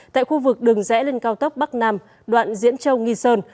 tại khu vực đường rẽ lên cao tốc bắc nam đoạn diễn châu nghi sơn